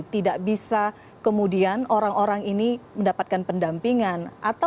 tidak bisa kemudian orang orang ini menyebarkan paham radikal atau tidak bisa diperhatikan